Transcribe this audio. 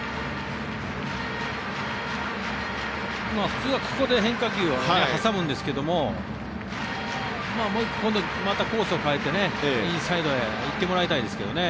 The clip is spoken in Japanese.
普通はここで変化球を挟むんですけどまたコースを変えて強いボールをインサイドへ行ってもらいたいですけどね。